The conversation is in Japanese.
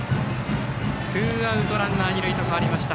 ツーアウトランナー、二塁と変わりました。